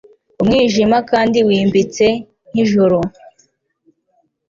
Umwijima kandi wimbitse nkijoro